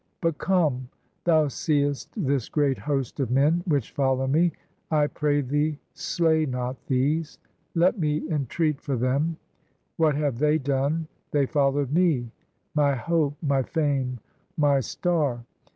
But come: thou seest this great host of men Which follow me; I pray thee, slay not these! Let me entreat for them : what have they done? They follow'd me, my hope, my fame, my star.